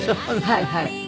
はいはい。